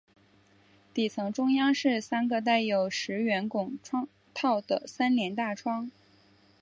底层中央是三个带有石圆拱窗套的三联大窗。